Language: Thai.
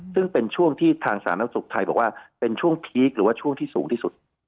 ซึ่งเป็นช่วงที่ทางสาธารณสุขไทยบอกว่าเป็นช่วงพีคหรือว่าช่วงที่สูงที่สุด